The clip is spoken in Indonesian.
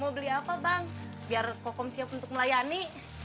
biar kokom siap untuk melayani